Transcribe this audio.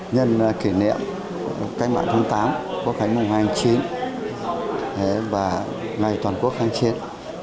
nhân kỷ niệm cách mạng tháng tám quốc hành mùng hai mươi chín và ngày toàn quốc kháng chiến